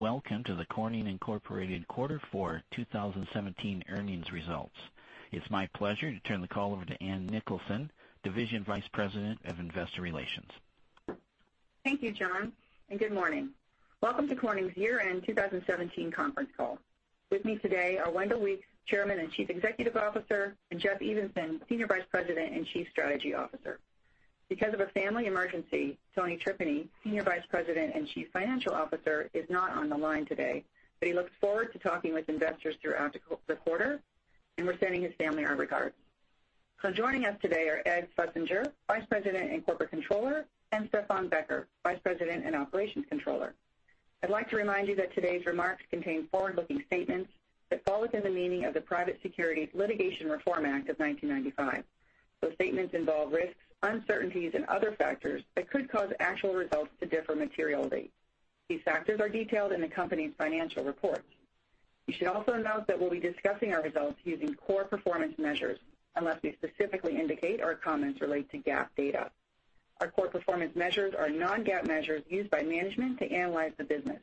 Welcome to the Corning Incorporated Quarter 4 2017 Earnings Results. It's my pleasure to turn the call over to Ann Nicholson, Division Vice President of Investor Relations. Thank you, John. Good morning. Welcome to Corning's year-end 2017 conference call. With me today are Wendell Weeks, Chairman and Chief Executive Officer, and Jeff Evenson, Senior Vice President and Chief Strategy Officer. Because of a family emergency, Tony Tripeny, Senior Vice President and Chief Financial Officer, is not on the line today, he looks forward to talking with investors throughout the quarter, and we're sending his family our regards. Joining us today are Ed Schlesinger, Vice President and Corporate Controller, and Stefan Becker, Vice President and Operations Controller. I'd like to remind you that today's remarks contain forward-looking statements that fall within the meaning of the Private Securities Litigation Reform Act of 1995. Those statements involve risks, uncertainties, and other factors that could cause actual results to differ materially. These factors are detailed in the company's financial reports. You should also note that we'll be discussing our results using core performance measures, unless we specifically indicate our comments relate to GAAP data. Our core performance measures are non-GAAP measures used by management to analyze the business.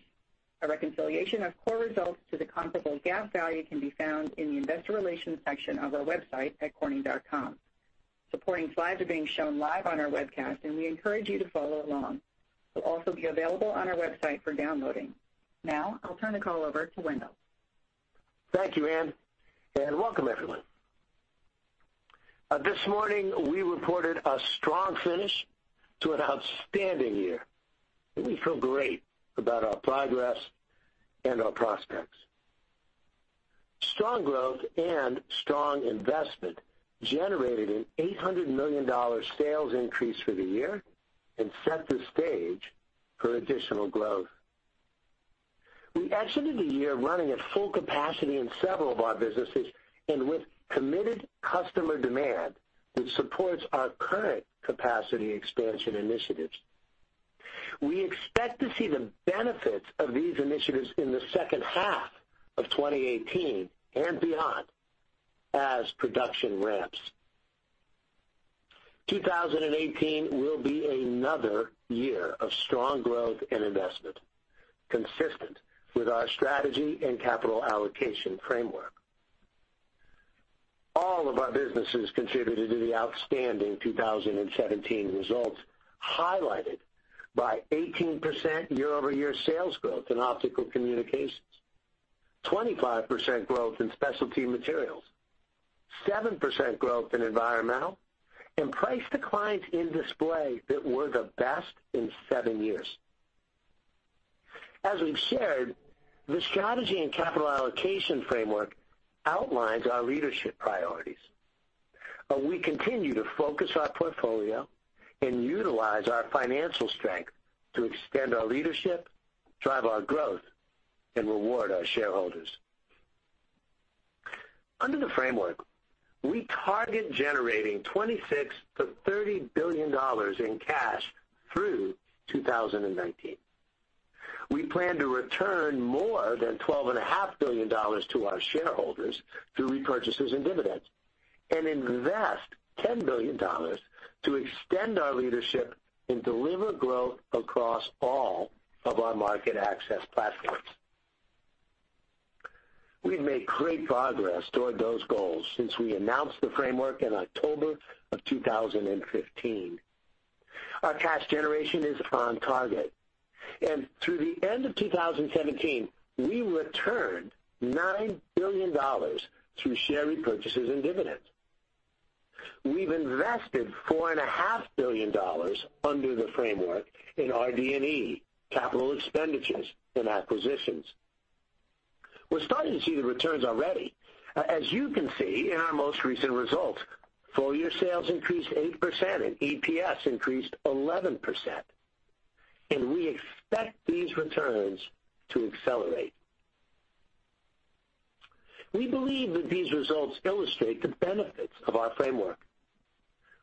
A reconciliation of core results to the comparable GAAP value can be found in the investor relations section of our website at corning.com. Supporting slides are being shown live on our webcast, we encourage you to follow along. They'll also be available on our website for downloading. Now, I'll turn the call over to Wendell. Thank you, Ann. Welcome everyone. This morning, we reported a strong finish to an outstanding year, we feel great about our progress and our prospects. Strong growth and strong investment generated an $800 million sales increase for the year and set the stage for additional growth. We exited the year running at full capacity in several of our businesses and with committed customer demand, which supports our current capacity expansion initiatives. We expect to see the benefits of these initiatives in the second half of 2018 and beyond as production ramps. 2018 will be another year of strong growth and investment, consistent with our strategy and capital allocation framework. All of our businesses contributed to the outstanding 2017 results, highlighted by 18% year-over-year sales growth in Optical Communications, 25% growth in Specialty Materials, 7% growth in Environmental, and price declines in Display that were the best in seven years. As we've shared, the strategy and capital allocation framework outlines our leadership priorities. We continue to focus our portfolio and utilize our financial strength to extend our leadership, drive our growth, and reward our shareholders. Under the framework, we target generating $26 billion-$30 billion in cash through 2019. We plan to return more than $12.5 billion to our shareholders through repurchases and dividends and invest $10 billion to extend our leadership and deliver growth across all of our market access platforms. We've made great progress toward those goals since we announced the framework in October of 2015. Our cash generation is on target, and through the end of 2017, we returned $9 billion through share repurchases and dividends. We've invested $4.5 billion under the framework in RD&E, capital expenditures, and acquisitions. We're starting to see the returns already. As you can see in our most recent results, full-year sales increased 8% and EPS increased 11%, and we expect these returns to accelerate. We believe that these results illustrate the benefits of our framework.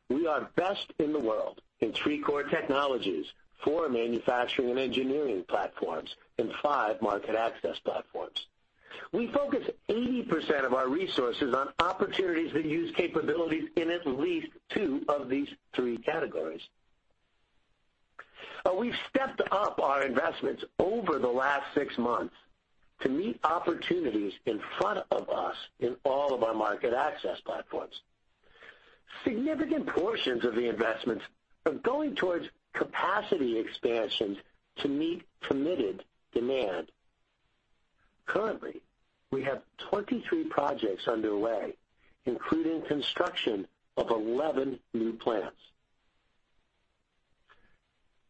We are best in the world in three core technologies, four manufacturing and engineering platforms, and five market access platforms. We focus 80% of our resources on opportunities that use capabilities in at least two of these three categories. We've stepped up our investments over the last six months to meet opportunities in front of us in all of our market access platforms. Significant portions of the investments are going towards capacity expansions to meet committed demand. Currently, we have 23 projects underway, including construction of 11 new plants.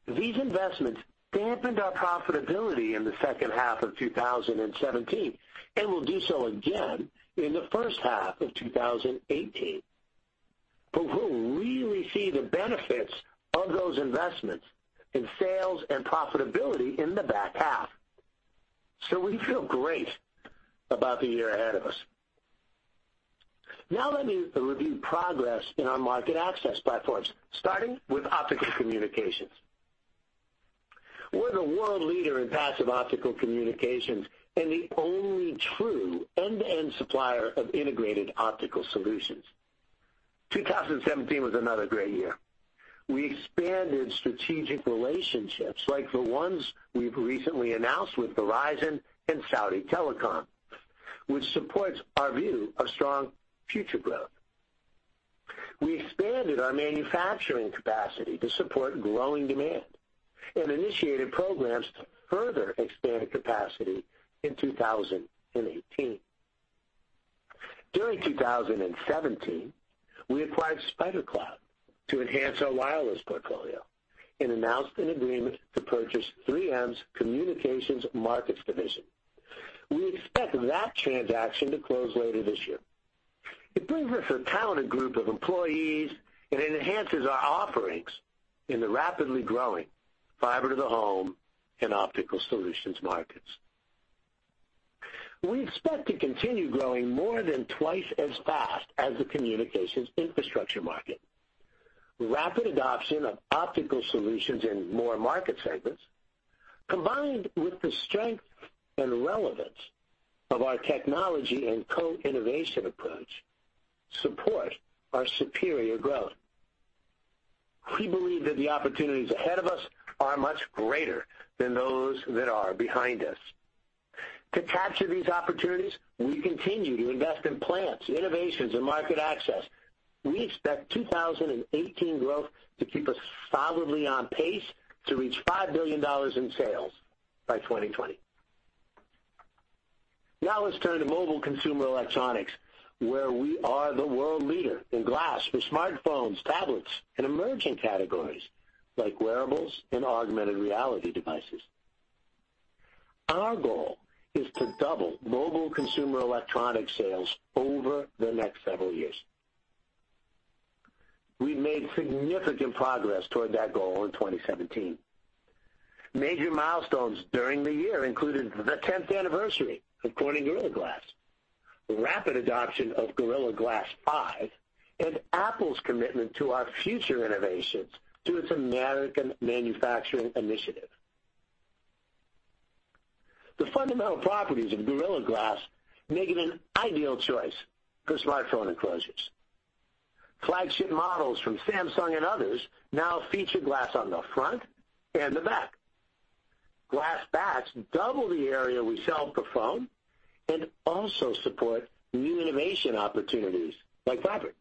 These investments dampened our profitability in the second half of 2017 and will do so again in the first half of 2018, but we'll really see the benefits of those investments in sales and profitability in the back half. We feel great about the year ahead of us. Now let me review progress in our market access platforms, starting with Optical Communications. We're the world leader in passive Optical Communications and the only true end-to-end supplier of integrated optical solutions. 2017 was another great year. We expanded strategic relationships like the ones we've recently announced with Verizon and Saudi Telecom, which supports our view of strong future growth. We expanded our manufacturing capacity to support growing demand and initiated programs to further expand capacity in 2018. During 2017, we acquired SpiderCloud to enhance our wireless portfolio and announced an agreement to purchase 3M's Communication Markets Division. We expect that transaction to close later this year. It brings us a talented group of employees, and it enhances our offerings in the rapidly growing fiber to the home and optical solutions markets. We expect to continue growing more than 2 times as fast as the communications infrastructure market. Rapid adoption of optical solutions in more market segments, combined with the strength and relevance of our technology and co-innovation approach, support our superior growth. We believe that the opportunities ahead of us are much greater than those that are behind us. To capture these opportunities, we continue to invest in plants, innovations, and market access. We expect 2018 growth to keep us solidly on pace to reach $5 billion in sales by 2020. Let's turn to mobile consumer electronics, where we are the world leader in glass for smartphones, tablets, and emerging categories like wearables and augmented reality devices. Our goal is to double mobile consumer electronic sales over the next several years. We made significant progress toward that goal in 2017. Major milestones during the year included the 10th anniversary of Corning Gorilla Glass, rapid adoption of Gorilla Glass 5, and Apple's commitment to our future innovations through its American manufacturing initiative. The fundamental properties of Gorilla Glass make it an ideal choice for smartphone enclosures. Flagship models from Samsung and others now feature glass on the front and the back. Glass backs double the area we sell for phone and also support new innovation opportunities like fabric.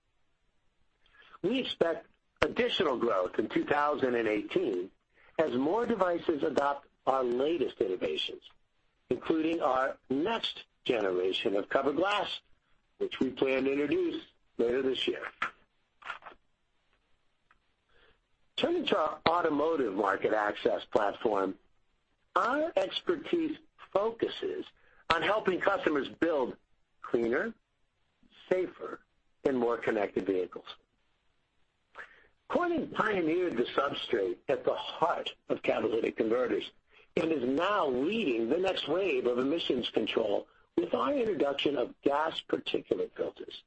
We expect additional growth in 2018 as more devices adopt our latest innovations, including our next generation of covered glass, which we plan to introduce later this year. Turning to our automotive market access platform, our expertise focuses on helping customers build cleaner, safer, and more connected vehicles. Corning pioneered the substrate at the heart of catalytic converters and is now leading the next wave of emissions control with our introduction of gasoline particulate filters.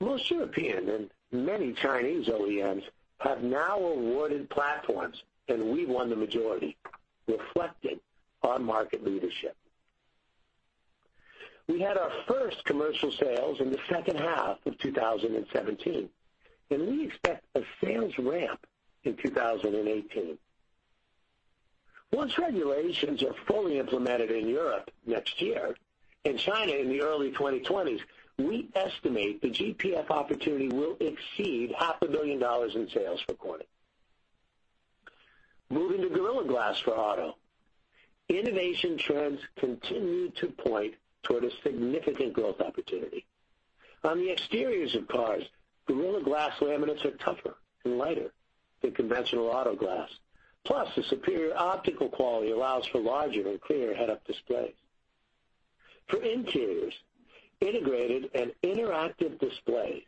Most European and many Chinese OEMs have now awarded platforms, and we won the majority, reflecting our market leadership. We had our first commercial sales in the second half of 2017, and we expect a sales ramp in 2018. Once regulations are fully implemented in Europe next year, in China in the early 2020s, we estimate the GPF opportunity will exceed half a billion dollars in sales for Corning. Moving to Gorilla Glass for Automotive, innovation trends continue to point toward a significant growth opportunity. On the exteriors of cars, Gorilla Glass laminates are tougher and lighter than conventional auto glass. Plus, the superior optical quality allows for larger and clearer head-up displays. For interiors, integrated and interactive displays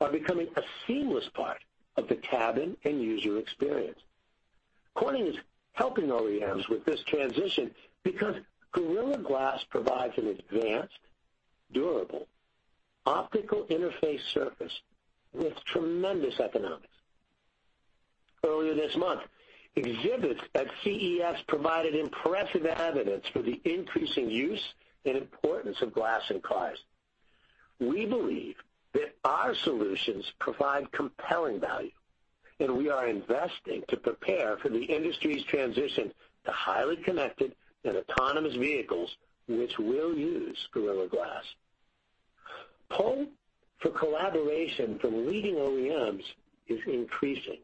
are becoming a seamless part of the cabin and user experience. Corning is helping OEMs with this transition because Gorilla Glass provides an advanced, durable, optical interface surface with tremendous economics. Earlier this month, exhibits at CES provided impressive evidence for the increasing use and importance of glass in cars. We believe that our solutions provide compelling value, and we are investing to prepare for the industry's transition to highly connected and autonomous vehicles, which will use Gorilla Glass. Pull for collaboration from leading OEMs is increasing,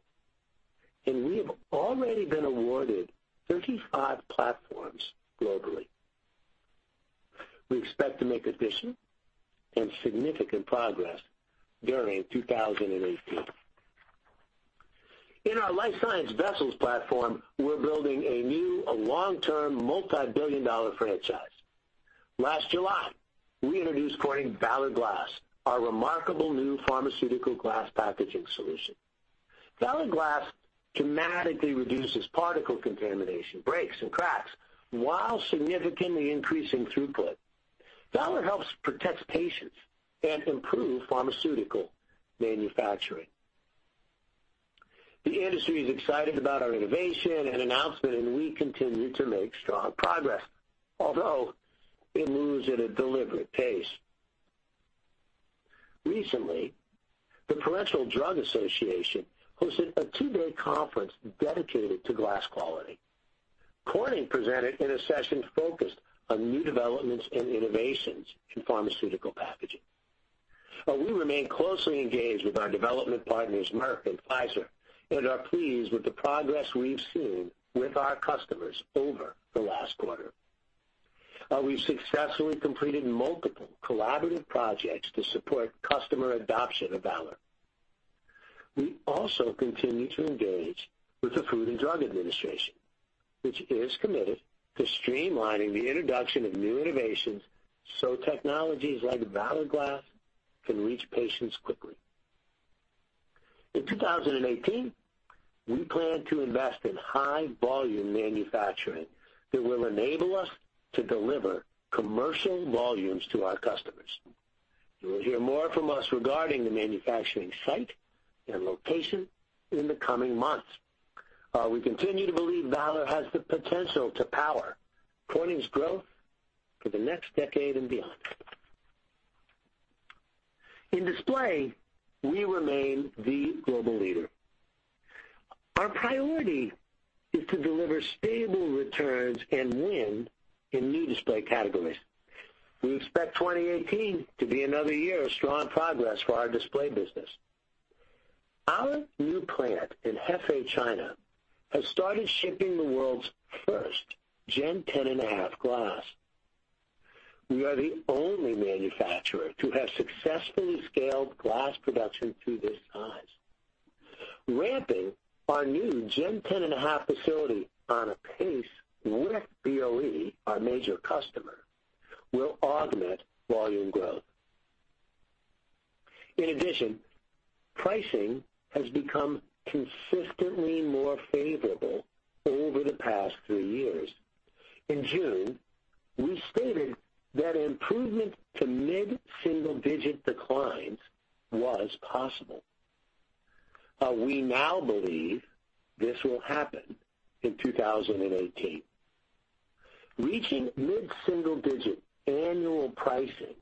and we have already been awarded 35 platforms globally. We expect to make additional and significant progress during 2018. In our life science vessels platform, we're building a new long-term, multi-billion-dollar franchise. Last July, we introduced Corning Valor Glass, our remarkable new pharmaceutical glass packaging solution. Valor Glass dramatically reduces particle contamination, breaks, and cracks while significantly increasing throughput. Valor helps protect patients and improve pharmaceutical manufacturing. The industry is excited about our innovation and announcement, and we continue to make strong progress, although it moves at a deliberate pace. Recently, the Parenteral Drug Association hosted a two-day conference dedicated to glass quality. Corning presented in a session focused on new developments and innovations in pharmaceutical packaging. We remain closely engaged with our development partners, Merck and Pfizer, and are pleased with the progress we've seen with our customers over the last quarter. We've successfully completed multiple collaborative projects to support customer adoption of Valor. We also continue to engage with the Food and Drug Administration, which is committed to streamlining the introduction of new innovations so technologies like Valor Glass can reach patients quickly. In 2018, we plan to invest in high volume manufacturing that will enable us to deliver commercial volumes to our customers. You will hear more from us regarding the manufacturing site and location in the coming months. We continue to believe Valor has the potential to power Corning's growth for the next decade and beyond. In display, we remain the global leader. Our priority is to deliver stable returns and win in new display categories. We expect 2018 to be another year of strong progress for our display business. Our new plant in Hefei, China, has started shipping the world's first Gen 10.5 glass. We are the only manufacturer to have successfully scaled glass production to this size. Ramping our new Gen 10.5 facility on a pace with BOE, our major customer, will augment volume growth. In addition, pricing has become consistently more favorable over the past three years. In June, we stated that improvement to mid-single-digit declines was possible. We now believe this will happen in 2018. Reaching mid-single-digit annual pricing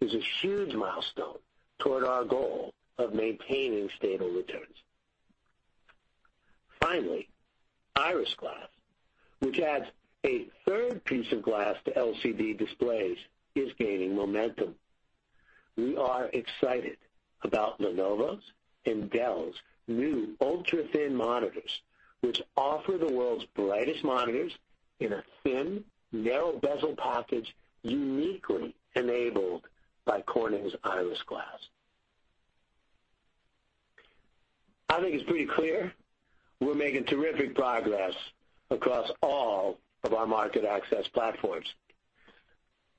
is a huge milestone toward our goal of maintaining stable returns. Finally, Iris Glass, which adds a third piece of glass to LCD displays, is gaining momentum. We are excited about Lenovo's and Dell's new ultra-thin monitors, which offer the world's brightest monitors in a thin, narrow bezel package, uniquely enabled by Corning's Iris Glass. I think it's pretty clear we're making terrific progress across all of our market access platforms.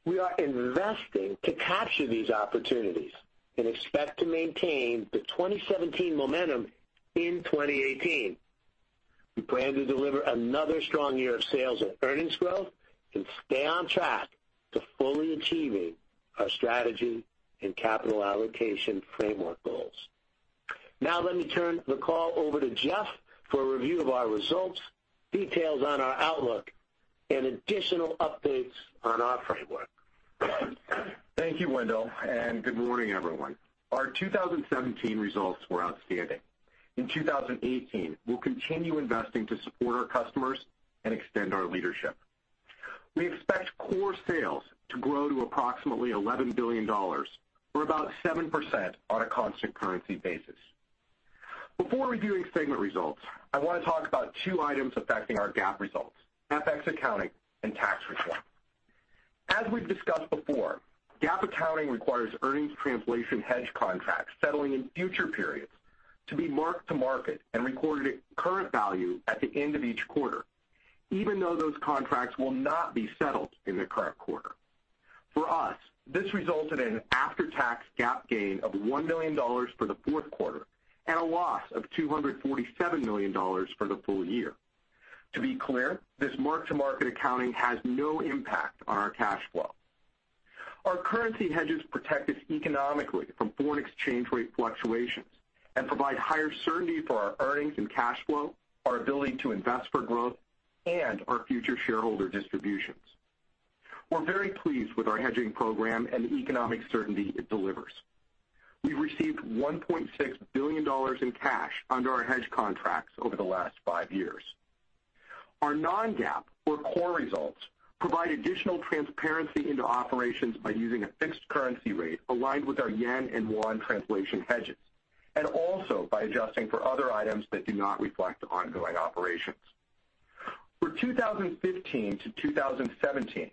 We are investing to capture these opportunities and expect to maintain the 2017 momentum in 2018. We plan to deliver another strong year of sales and earnings growth and stay on track to fully achieving our strategy and capital allocation framework goals. Now, let me turn the call over to Jeff for a review of our results, details on our outlook, and additional updates on our framework. Thank you, Wendell, and good morning, everyone. Our 2017 results were outstanding. In 2018, we'll continue investing to support our customers and extend our leadership. We expect core sales to grow to approximately $11 billion, or about 7% on a constant currency basis. Before reviewing segment results, I want to talk about two items affecting our GAAP results, FX accounting and tax reform. As we've discussed before, GAAP accounting requires earnings translation hedge contracts settling in future periods to be marked to market and recorded at current value at the end of each quarter, even though those contracts will not be settled in the current quarter. For us, this resulted in an after-tax GAAP gain of $1 million for the fourth quarter and a loss of $247 million for the full year. To be clear, this mark-to-market accounting has no impact on our cash flow. Our currency hedges protect us economically from foreign exchange rate fluctuations and provide higher certainty for our earnings and cash flow, our ability to invest for growth, and our future shareholder distributions. We're very pleased with our hedging program and the economic certainty it delivers. We received $1.6 billion in cash under our hedge contracts over the last five years. Our non-GAAP, or core results, provide additional transparency into operations by using a fixed currency rate aligned with our JPY and KRW translation hedges, and also by adjusting for other items that do not reflect ongoing operations. For 2015 to 2017,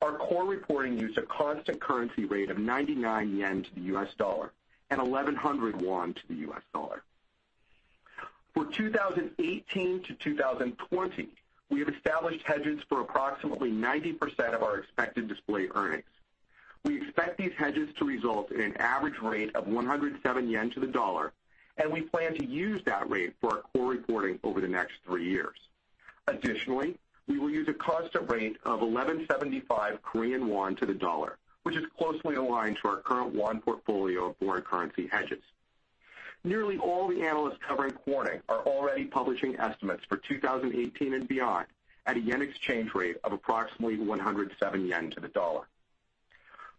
our core reporting used a constant currency rate of 99 yen to the US dollar and 1,100 won to the US dollar. For 2018 to 2020, we have established hedges for approximately 90% of our expected display earnings. We expect these hedges to result in an average rate of 107 yen to the dollar, and we plan to use that rate for our core reporting over the next three years. Additionally, we will use a constant rate of 1,175 Korean won to the dollar, which is closely aligned to our current KRW portfolio of foreign currency hedges. Nearly all the analysts covering Corning are already publishing estimates for 2018 and beyond at a JPY exchange rate of approximately 107 yen to the dollar.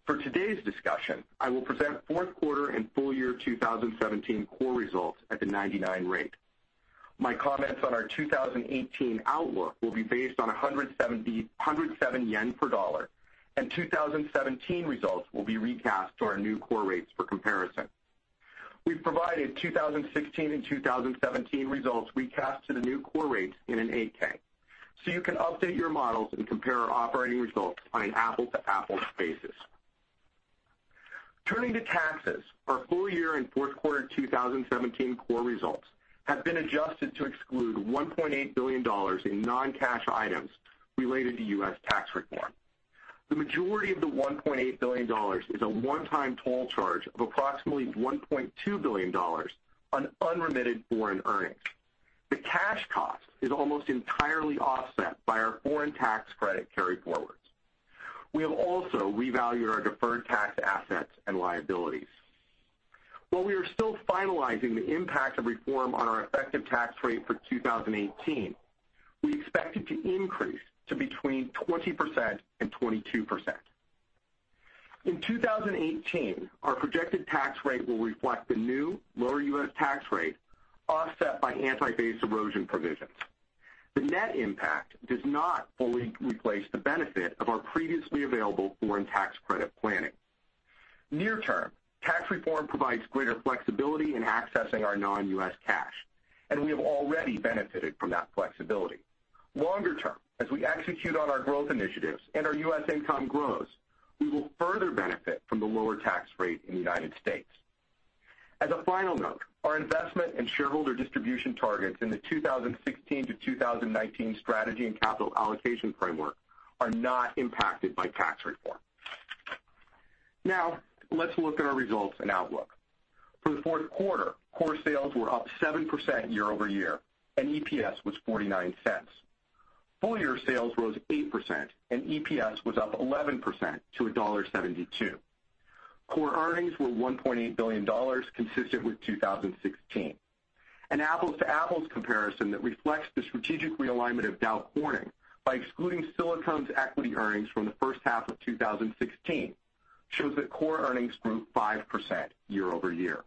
For today's discussion, I will present fourth quarter and full year 2017 core results at the 99 rate. My comments on our 2018 outlook will be based on 107 yen per dollar, and 2017 results will be recast to our new core rates for comparison. We've provided 2016 and 2017 results recast to the new core rates in an 8-K. You can update your models and compare our operating results on an apples-to-apples basis. Turning to taxes, our full year and fourth quarter 2017 core results have been adjusted to exclude $1.8 billion in non-cash items related to U.S. tax reform. The majority of the $1.8 billion is a one-time toll charge of approximately $1.2 billion on unremitted foreign earnings. The cash cost is almost entirely offset by our foreign tax credit carryforwards. We have also revalued our deferred tax assets and liabilities. While we are still finalizing the impact of reform on our effective tax rate for 2018, we expect it to increase to between 20%-22%. In 2018, our projected tax rate will reflect the new lower U.S. tax rate offset by anti-base erosion provisions. The net impact does not fully replace the benefit of our previously available foreign tax credit planning. Near term, tax reform provides greater flexibility in accessing our non-U.S. cash. We have already benefited from that flexibility. Longer term, as we execute on our growth initiatives and our U.S. income grows, we will further benefit from the lower tax rate in the United States. As a final note, our investment and shareholder distribution targets in the 2016 to 2019 strategy and capital allocation framework are not impacted by tax reform. Let's look at our results and outlook. For the fourth quarter, core sales were up 7% year-over-year, and EPS was $0.49. Full year sales rose 8%, and EPS was up 11% to $1.72. Core earnings were $1.8 billion, consistent with 2016. An apples-to-apples comparison that reflects the strategic realignment of Dow Corning by excluding Silicones equity earnings from the first half of 2016 shows that core earnings grew 5% year-over-year.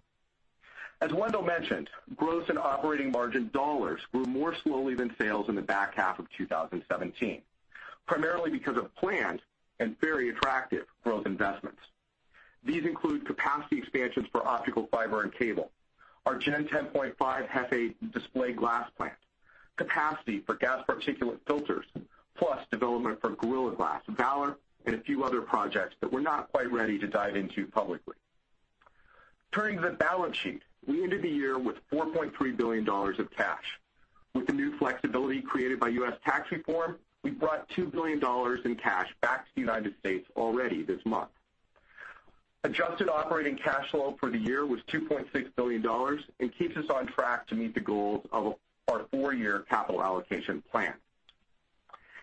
As Wendell mentioned, gross and operating margin dollars grew more slowly than sales in the back half of 2017, primarily because of planned and very attractive growth investments. These include capacity expansions for optical fiber and cable, our Gen 10.5 Hefei display glass plant, capacity for gasoline particulate filters, plus development for Gorilla Glass Valor, and a few other projects that we're not quite ready to dive into publicly. Turning to the balance sheet, we ended the year with $4.3 billion of cash. With the new flexibility created by U.S. tax reform, we brought $2 billion in cash back to the U.S. already this month. Adjusted operating cash flow for the year was $2.6 billion and keeps us on track to meet the goals of our four-year capital allocation plan.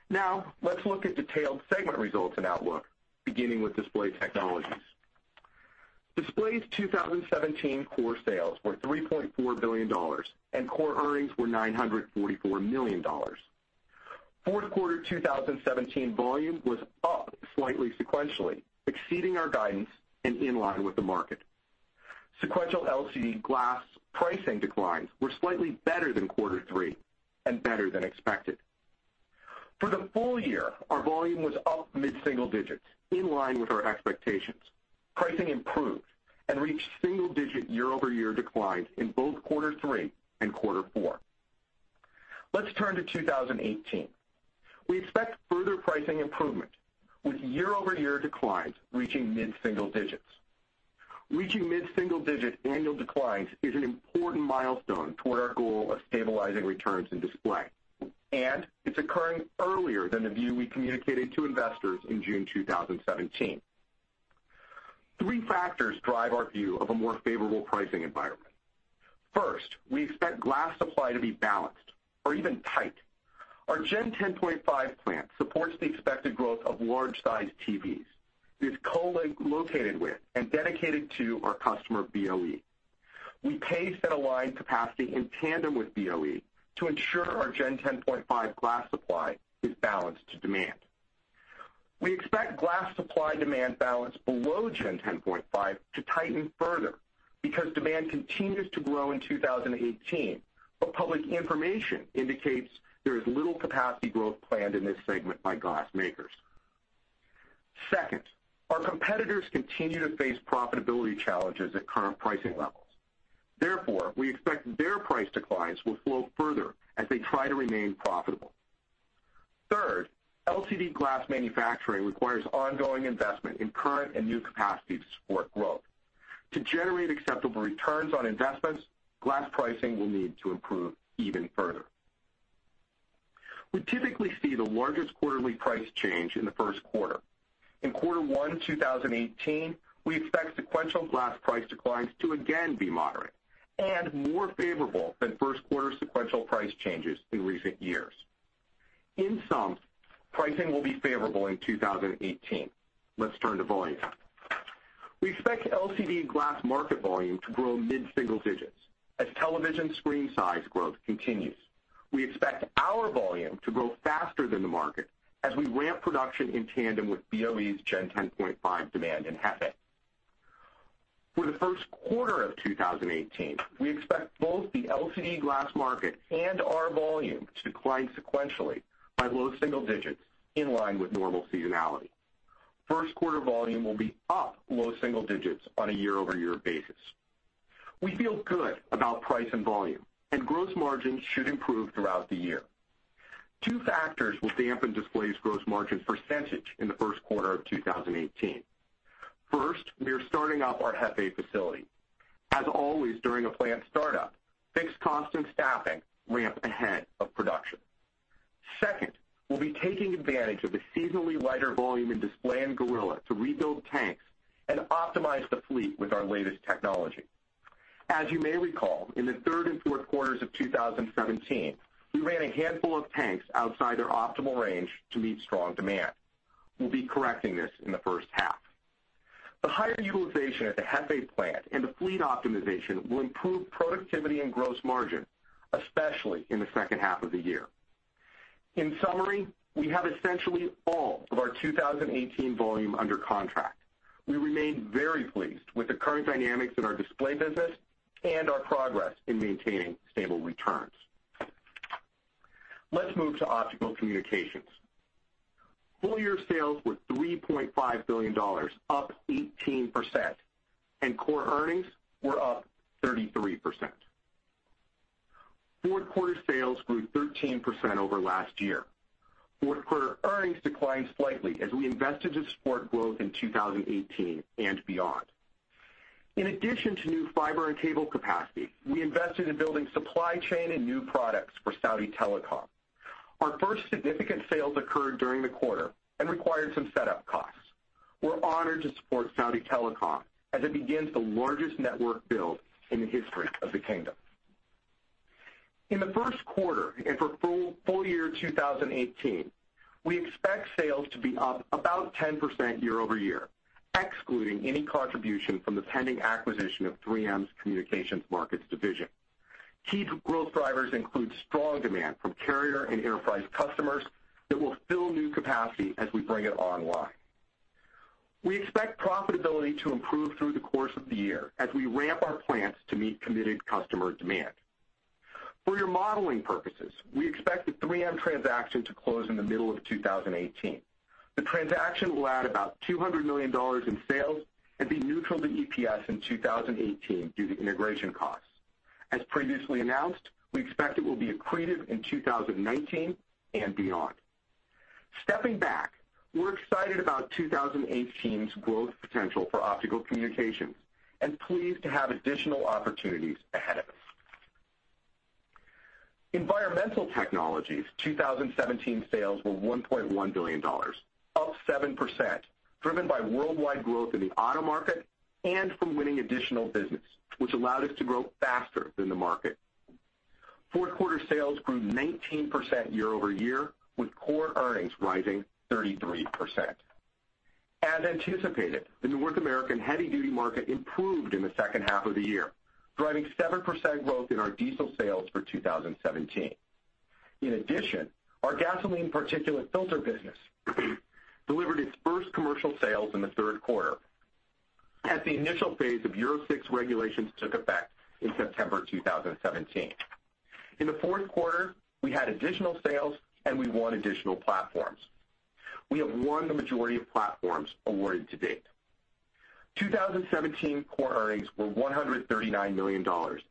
Now, let's look at detailed segment results and outlook, beginning with Display Technologies. Display's 2017 core sales were $3.4 billion, and core earnings were $944 million. Fourth quarter 2017 volume was up slightly sequentially, exceeding our guidance and in line with the market. Sequential LCD glass pricing declines were slightly better than quarter three and better than expected. For the full year, our volume was up mid-single digits, in line with our expectations. Pricing improved and reached single-digit year-over-year declines in both quarter three and quarter four. Let's turn to 2018. We expect further pricing improvement with year-over-year declines reaching mid-single digits. Reaching mid-single digit annual declines is an important milestone toward our goal of stabilizing returns in Display, and it's occurring earlier than the view we communicated to investors in June 2017. Three factors drive our view of a more favorable pricing environment. First, we expect glass supply to be balanced or even tight. Our Gen 10.5 plant supports the expected growth of large-sized TVs. It is co-located with and dedicated to our customer, BOE. We pace that aligned capacity in tandem with BOE to ensure our Gen 10.5 glass supply is balanced to demand. We expect glass supply-demand balance below Gen 10.5 to tighten further because demand continues to grow in 2018, but public information indicates there is little capacity growth planned in this segment by glass makers. Second, our competitors continue to face profitability challenges at current pricing levels. We expect their price declines will flow further as they try to remain profitable. Third, LCD glass manufacturing requires ongoing investment in current and new capacity to support growth. To generate acceptable returns on investments, glass pricing will need to improve even further. We typically see the largest quarterly price change in the first quarter. In quarter one 2018, we expect sequential glass price declines to again be moderate and more favorable than first quarter sequential price changes in recent years. Pricing will be favorable in 2018. Let's turn to volume. We expect LCD glass market volume to grow mid-single digits, as television screen size growth continues. We expect our volume to grow faster than the market as we ramp production in tandem with BOE's Gen 10.5 demand in Hefei. For the first quarter of 2018, we expect both the LCD glass market and our volume to decline sequentially by low single digits, in line with normal seasonality. First quarter volume will be up low single digits on a year-over-year basis. We feel good about price and volume, Gross margin should improve throughout the year. Two factors will dampen Display's gross margin percentage in the first quarter of 2018. First, we are starting up our Hefei facility. As always, during a plant start-up, fixed cost and staffing ramp ahead of production. Second, we will be taking advantage of the seasonally lighter volume in Display and Gorilla to rebuild tanks and optimize the fleet with our latest technology. As you may recall, in the third and fourth quarters of 2017, we ran a handful of tanks outside their optimal range to meet strong demand. We will be correcting this in the first half. The higher utilization at the Hefei plant and the fleet optimization will improve productivity and gross margin, especially in the second half of the year. In summary, we have essentially all of our 2018 volume under contract. We remain very pleased with the current dynamics in our Display business and our progress in maintaining stable returns. Let's move to Optical Communications. Full-year sales were $3.5 billion, up 18%, and core earnings were up 33%. Fourth quarter sales grew 13% over last year. Fourth quarter earnings declined slightly as we invested to support growth in 2018 and beyond. In addition to new fiber and cable capacity, we invested in building supply chain and new products for Saudi Telecom. Our first significant sales occurred during the quarter and required some set-up costs. We are honored to support Saudi Telecom as it begins the largest network build in the history of the kingdom. In the first quarter and for full year 2018, we expect sales to be up about 10% year-over-year, excluding any contribution from the pending acquisition of 3M's Communication Markets Division. Key growth drivers include strong demand from carrier and enterprise customers that will fill new capacity as we bring it online. We expect profitability to improve through the course of the year as we ramp our plants to meet committed customer demand. For your modeling purposes, we expect the 3M transaction to close in the middle of 2018. The transaction will add about $200 million in sales and be neutral to EPS in 2018 due to integration costs. As previously announced, we expect it will be accretive in 2019 and beyond. Stepping back, we are excited about 2018's growth potential for Optical Communications and pleased to have additional opportunities ahead of us. Environmental Technologies 2017 sales were $1.1 billion, up 7%, driven by worldwide growth in the auto market and from winning additional business, which allowed us to grow faster than the market. Fourth quarter sales grew 19% year-over-year, with core earnings rising 33%. As anticipated, the North American heavy-duty market improved in the second half of the year, driving 7% growth in our diesel sales for 2017. In addition, our gasoline particulate filter business delivered its first commercial sales in the third quarter as the initial phase of Euro 6 regulations took effect in September 2017. In the fourth quarter, we had additional sales, and we won additional platforms. We have won the majority of platforms awarded to date. 2017 core earnings were $139 million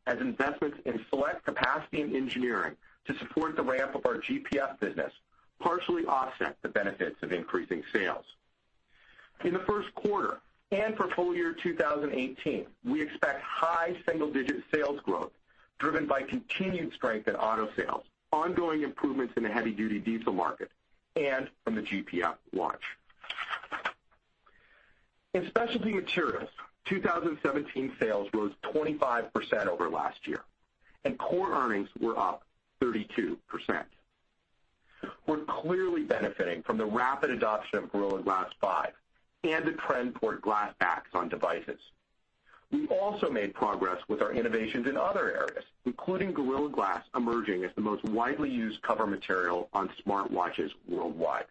as investments in select capacity and engineering to support the ramp of our GPF business partially offset the benefits of increasing sales. In the first quarter and for full year 2018, we expect high single-digit sales growth driven by continued strength in auto sales, ongoing improvements in the heavy-duty diesel market, and from the GPF launch. In Specialty Materials, 2017 sales rose 25% over last year. Core earnings were up 32%. We're clearly benefiting from the rapid adoption of Gorilla Glass 5 and the trend toward glass backs on devices. We also made progress with our innovations in other areas, including Gorilla Glass emerging as the most widely used cover material on smartwatches worldwide.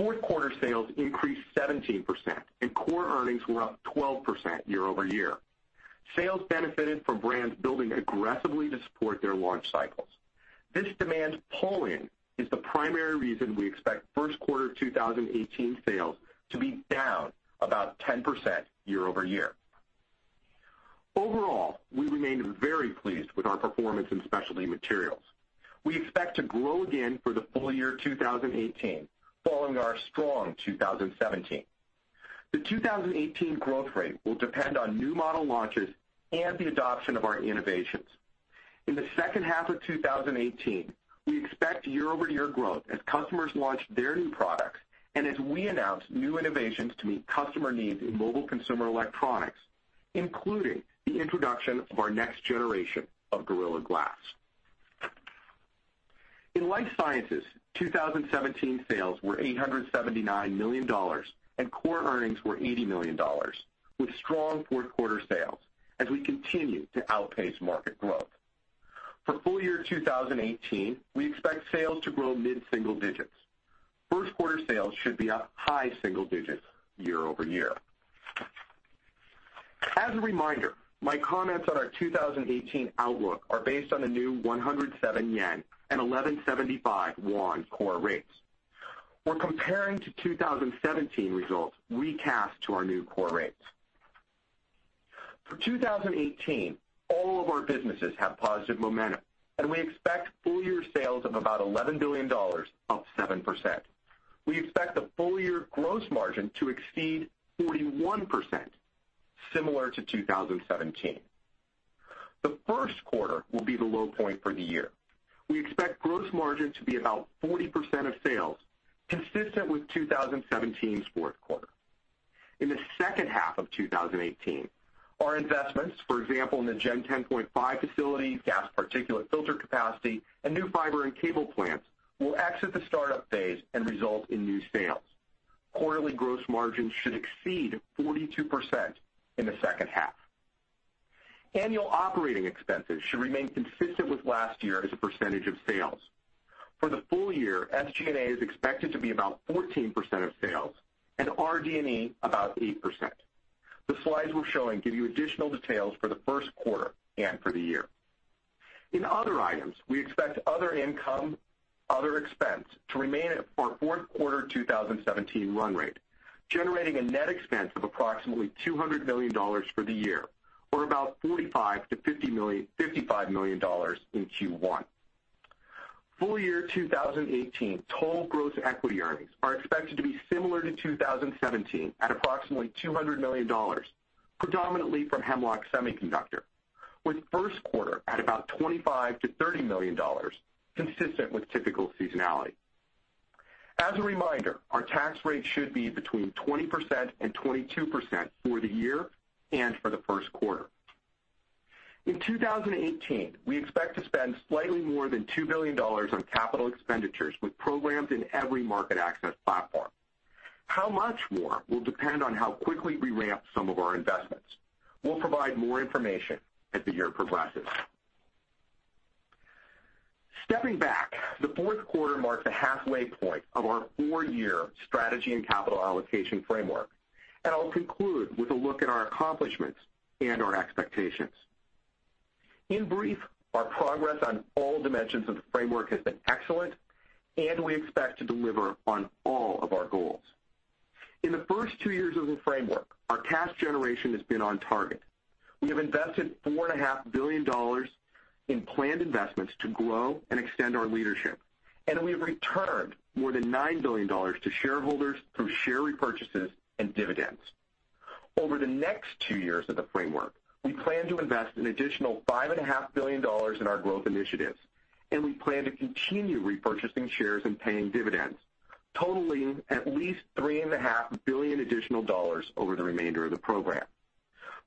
Fourth quarter sales increased 17%. Core earnings were up 12% year-over-year. Sales benefited from brands building aggressively to support their launch cycles. This demand pulling is the primary reason we expect first quarter 2018 sales to be down about 10% year-over-year. Overall, we remain very pleased with our performance in Specialty Materials. We expect to grow again for the full year 2018, following our strong 2017. The 2018 growth rate will depend on new model launches and the adoption of our innovations. In the second half of 2018, we expect year-over-year growth as customers launch their new products and as we announce new innovations to meet customer needs in mobile consumer electronics, including the introduction of our next generation of Gorilla Glass. In life sciences, 2017 sales were $879 million. Core earnings were $80 million, with strong fourth quarter sales as we continue to outpace market growth. For full year 2018, we expect sales to grow mid-single digits. First quarter sales should be up high single digits year-over-year. As a reminder, my comments on our 2018 outlook are based on the new 107 yen and 1,175 won core rates. We're comparing to 2017 results recast to our new core rates. For 2018, all of our businesses have positive momentum. We expect full year sales of about $11 billion, up 7%. We expect the full year gross margin to exceed 41%, similar to 2017. The first quarter will be the low point for the year. We expect gross margin to be about 40% of sales, consistent with 2017's fourth quarter. In the second half of 2018, our investments, for example, in the Gen 10.5 facility, gas particulate filter capacity, and new fiber and cable plants, will exit the startup phase and result in new sales. Quarterly gross margins should exceed 42% in the second half. Annual operating expenses should remain consistent with last year as a percentage of sales. For the full year, SG&A is expected to be about 14% of sales and RD&E about 8%. The slides we're showing give you additional details for the first quarter and for the year. In other items, we expect other income, other expense, to remain at our fourth quarter 2017 run rate, generating a net expense of approximately $200 million for the year, or about $45 million-$55 million in Q1. Full year 2018 total gross equity earnings are expected to be similar to 2017 at approximately $200 million, predominantly from Hemlock Semiconductor, with first quarter at about $25 million-$30 million, consistent with typical seasonality. As a reminder, our tax rate should be between 20%-22% for the year and for the first quarter. In 2018, we expect to spend slightly more than $2 billion on capital expenditures with programs in every market access platform. How much more will depend on how quickly we ramp some of our investments. We'll provide more information as the year progresses. Stepping back, the fourth quarter marks a halfway point of our four-year strategy and capital allocation framework. I'll conclude with a look at our accomplishments and our expectations. In brief, our progress on all dimensions of the framework has been excellent, and we expect to deliver on all of our goals. In the first two years of the framework, our cash generation has been on target. We have invested $4.5 billion in planned investments to grow and extend our leadership, and we have returned more than $9 billion to shareholders through share repurchases and dividends. Over the next two years of the framework, we plan to invest an additional $5.5 billion in our growth initiatives, and we plan to continue repurchasing shares and paying dividends, totaling at least $3.5 billion additional dollars over the remainder of the program.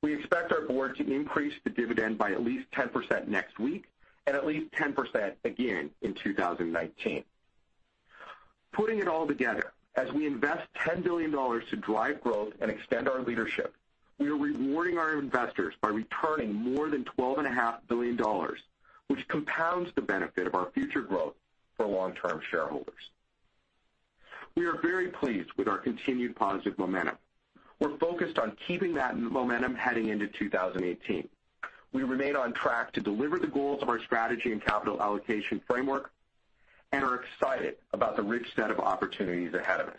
We expect our board to increase the dividend by at least 10% next week and at least 10% again in 2019. Putting it all together, as we invest $10 billion to drive growth and extend our leadership, we are rewarding our investors by returning more than $12.5 billion, which compounds the benefit of our future growth for long-term shareholders. We are very pleased with our continued positive momentum. We're focused on keeping that momentum heading into 2018. We remain on track to deliver the goals of our strategy and capital allocation framework and are excited about the rich set of opportunities ahead of us.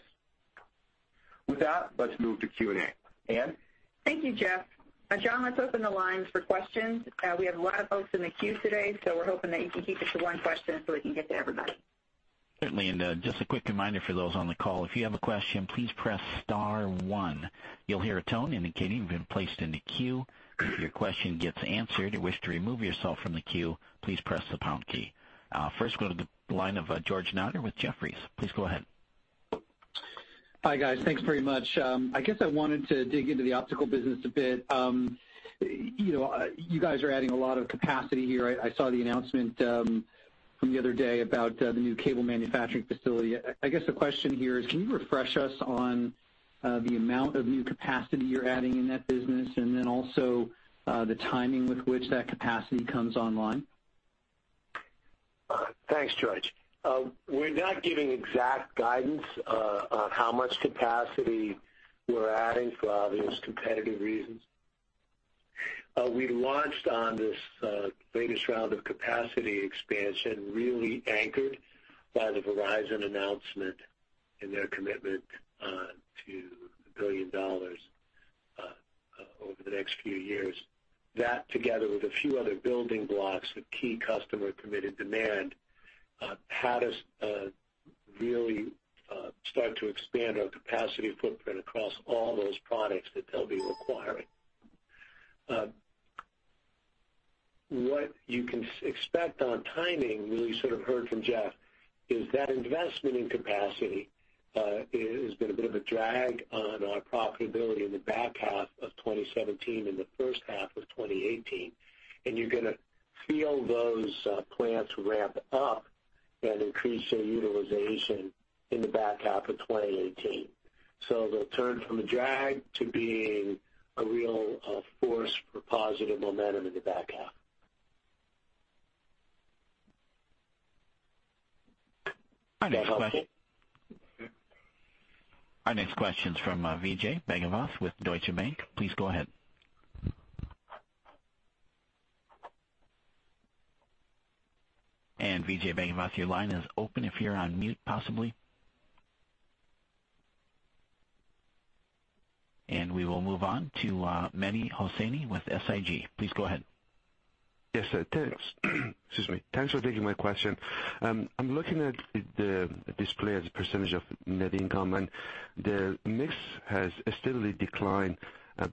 With that, let's move to Q&A. Ann? Thank you, Jeff. John, let's open the lines for questions. We have a lot of folks in the queue today, so we're hoping that you can keep it to one question so we can get to everybody. Certainly, just a quick reminder for those on the call, if you have a question, please press star one. You'll hear a tone indicating you've been placed in the queue. If your question gets answered and you wish to remove yourself from the queue, please press the pound key. First, go to the line of George Notter with Jefferies. Please go ahead. Hi, guys. Thanks very much. I guess I wanted to dig into the optical business a bit. You guys are adding a lot of capacity here. I saw the announcement from the other day about the new cable manufacturing facility. I guess the question here is, can you refresh us on the amount of new capacity you're adding in that business, and then also the timing with which that capacity comes online? Thanks, George. We're not giving exact guidance on how much capacity we're adding for obvious competitive reasons. We launched on this latest round of capacity expansion, really anchored by the Verizon announcement and their commitment to $1 billion. The next few years, that together with a few other building blocks with key customer-committed demand, had us really start to expand our capacity footprint across all those products that they'll be requiring. What you can expect on timing, really sort of heard from Jeff, is that investment in capacity has been a bit of a drag on our profitability in the back half of 2017 and the first half of 2018, and you're going to feel those plants ramp up and increase their utilization in the back half of 2018. They'll turn from a drag to being a real force for positive momentum in the back half. Our next question. Our next question's from Vijay Bhagavath with Deutsche Bank. Please go ahead. Vijay Bhagavath, your line is open if you're on mute, possibly. We will move on to Mehdi Hosseini with SIG. Please go ahead. Yes, sir. Thanks. Excuse me. Thanks for taking my question. I'm looking at the Display Technologies as a percentage of net income, and the mix has steadily declined.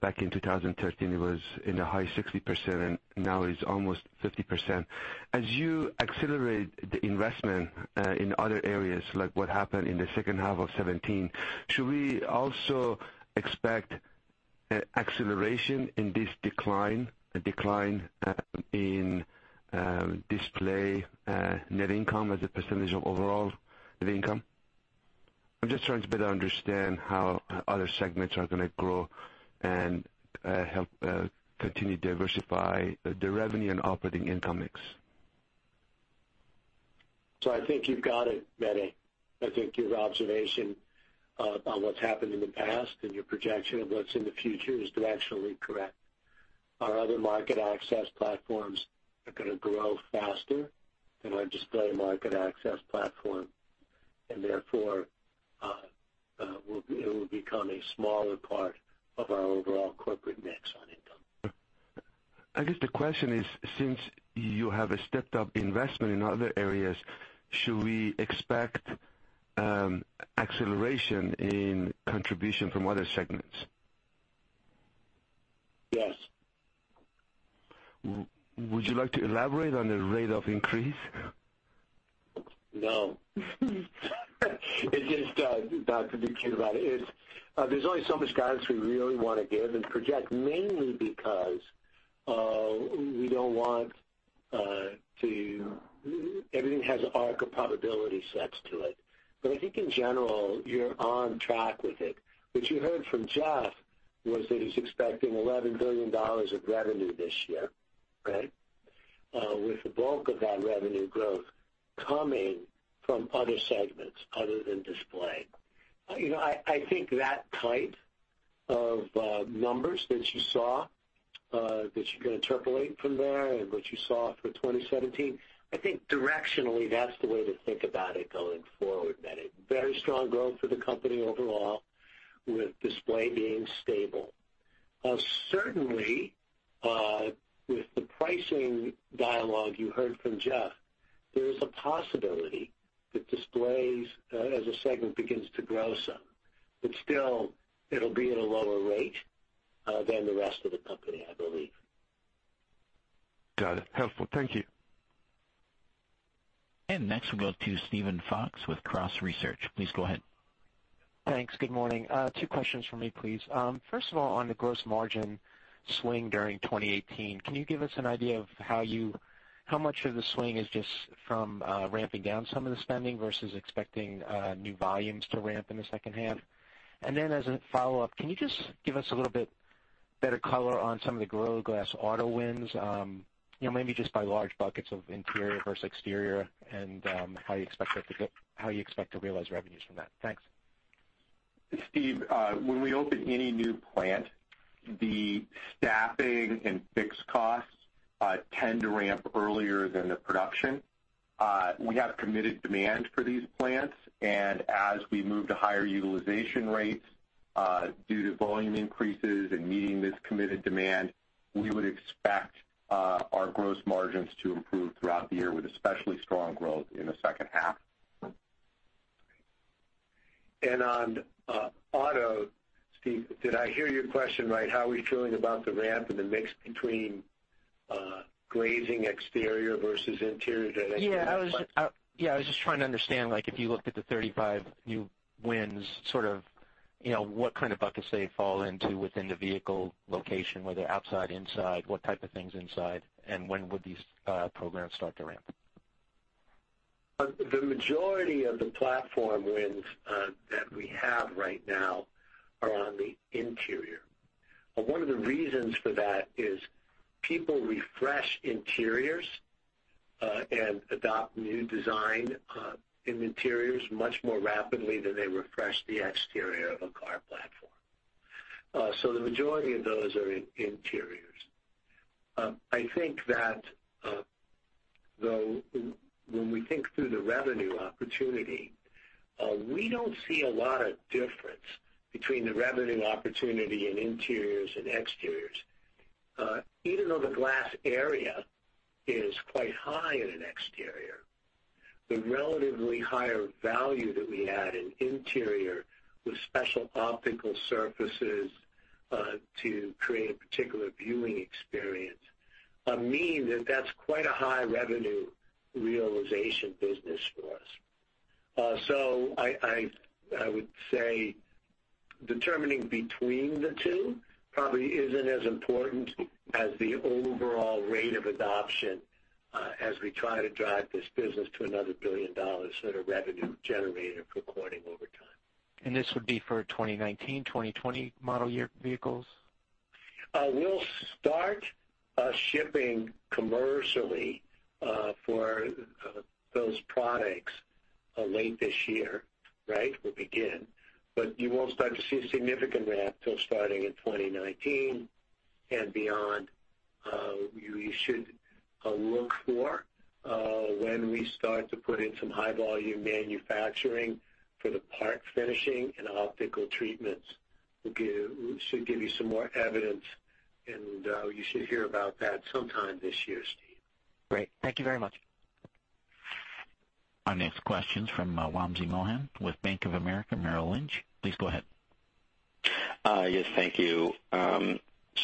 Back in 2013, it was in the high 60%, and now it's almost 50%. As you accelerate the investment in other areas, like what happened in the second half of 2017, should we also expect acceleration in this decline, a decline in Display Technologies net income as a percentage of overall net income? I'm just trying to better understand how other segments are going to grow and help continue diversify the revenue and operating income mix. I think you've got it, Mehdi. I think your observation about what's happened in the past and your projection of what's in the future is directionally correct. Our other market access platforms are going to grow faster than our Display Technologies market access platform, and therefore, it will become a smaller part of our overall corporate mix on income. I guess the question is, since you have a stepped-up investment in other areas, should we expect acceleration in contribution from other segments? Yes. Would you like to elaborate on the rate of increase? No. It's just not to be cute about it. There's only so much guidance we really want to give and project, mainly because we don't want to Everything has an arc of probability sets to it. I think in general, you're on track with it. What you heard from Jeff was that he's expecting $11 billion of revenue this year, right? With the bulk of that revenue growth coming from other segments other than Display. I think that type of numbers that you saw, that you can interpolate from there, and what you saw for 2017, I think directionally, that's the way to think about it going forward, Mehdi. Very strong growth for the company overall with Display being stable. Certainly, with the pricing dialogue you heard from Jeff, there is a possibility that Display as a segment begins to grow some. Still, it'll be at a lower rate than the rest of the company, I believe. Got it. Helpful. Thank you. Next we'll go to Steven Fox with Cross Research. Please go ahead. Thanks. Good morning. Two questions from me, please. First of all, on the gross margin swing during 2018, can you give us an idea of how much of the swing is just from ramping down some of the spending versus expecting new volumes to ramp in the second half? As a follow-up, can you just give us a little bit better color on some of the Gorilla Glass auto wins, maybe just by large buckets of interior versus exterior and how you expect to realize revenues from that? Thanks. Steve, when we open any new plant, the staffing and fixed costs tend to ramp earlier than the production. As we move to higher utilization rates due to volume increases and meeting this committed demand, we would expect our gross margins to improve throughout the year with especially strong growth in the second half. On auto, Steve, did I hear your question right? How are we feeling about the ramp and the mix between glazing exterior versus interior? Did I hear that correctly? Yeah, I was just trying to understand, if you looked at the 35 new wins, what kind of buckets they fall into within the vehicle location, were they outside, inside, what type of things inside, and when would these programs start to ramp? The majority of the platform wins that we have right now are on the interior. One of the reasons for that is people refresh interiors and adopt new design in interiors much more rapidly than they refresh the exterior of a car platform. The majority of those are interior. I think that, though, when we think through the revenue opportunity, we don't see a lot of difference between the revenue opportunity in interiors and exteriors. Even though the glass area is quite high in an exterior, the relatively higher value that we add in interior with special optical surfaces to create a particular viewing experience mean that that's quite a high revenue realization business for us. I would say determining between the two probably isn't as important as the overall rate of adoption as we try to drive this business to another $1 billion at a revenue generator for Corning over time. This would be for 2019, 2020 model year vehicles? We'll start shipping commercially for those products late this year. We'll begin. You won't start to see significant ramp until starting in 2019 and beyond. You should look for when we start to put in some high volume manufacturing for the part finishing and optical treatments. Should give you some more evidence, and you should hear about that sometime this year, Steve. Great. Thank you very much. Our next question's from Wamsi Mohan with Bank of America Merrill Lynch. Please go ahead. Yes, thank you. I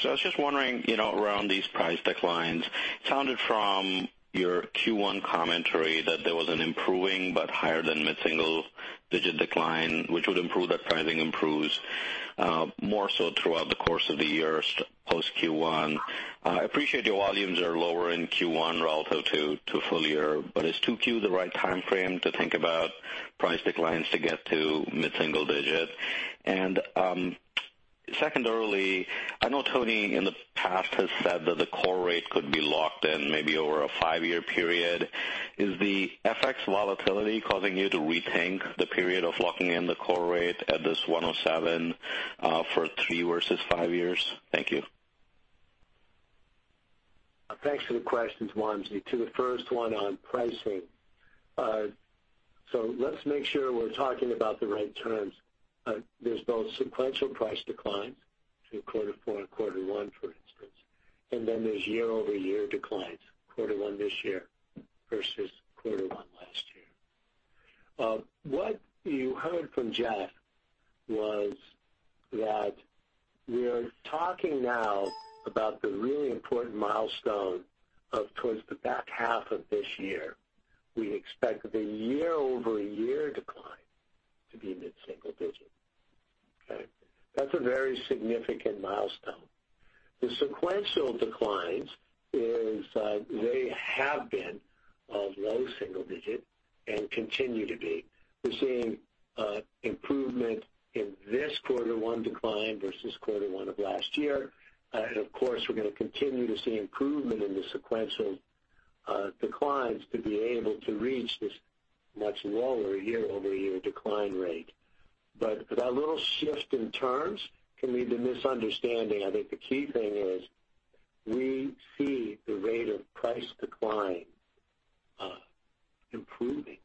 was just wondering, around these price declines, sounded from your Q1 commentary that there was an improving but higher than mid-single digit decline, which would improve if pricing improves more so throughout the course of the year post Q1. I appreciate your volumes are lower in Q1 relative to full year, but is 2Q the right time frame to think about price declines to get to mid-single digit? And secondarily, I know Tony in the past has said that the core rate could be locked in maybe over a five-year period. Is the FX volatility causing you to rethink the period of locking in the core rate at this 107 for three versus five years? Thank you. Thanks for the questions, Wamsi. To the first one on pricing. Let's make sure we're talking about the right terms. There's both sequential price declines, so quarter four to quarter one, for instance, and then there's year-over-year declines, quarter one this year versus quarter one last year. What you heard from Jeff was that we're talking now about the really important milestone of towards the back half of this year. We expect the year-over-year decline to be mid-single digit. Okay. That's a very significant milestone. The sequential declines is, they have been low single digit and continue to be. We're seeing improvement in this quarter one decline versus quarter one of last year. Of course, we're going to continue to see improvement in the sequential declines to be able to reach this much lower year-over-year decline rate. That little shift in terms can lead to misunderstanding. I think the key thing is we see the rate of price decline improving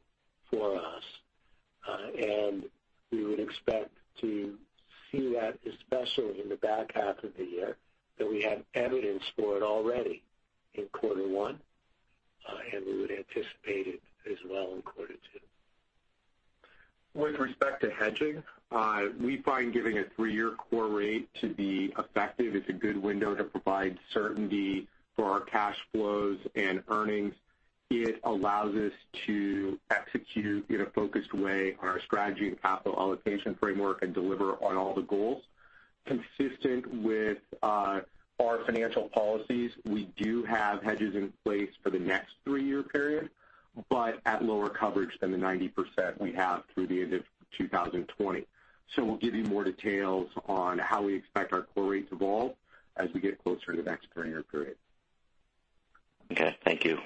for us, and we would expect to see that, especially in the back half of the year, that we have evidence for it already in quarter one, and we would anticipate it as well in quarter two. With respect to hedging, we find giving a three-year core rate to be effective. It's a good window to provide certainty for our cash flows and earnings. It allows us to execute in a focused way on our strategy and capital allocation framework and deliver on all the goals. Consistent with our financial policies, we do have hedges in place for the next three-year period, but at lower coverage than the 90% we have through the end of 2020. We'll give you more details on how we expect our core rates evolve as we get closer to the next three-year period. Okay, thank you.